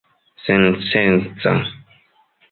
sensenca